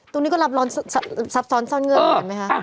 ตรงนี้ก็รับร้อนซับซ้อนซ่อนเงื่อนเหมือนกันไหมคะ